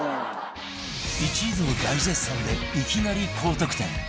一同大絶賛でいきなり高得点